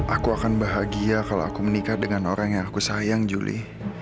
aku akan bahagia kalau aku menikah dengan orang yang aku sayang juli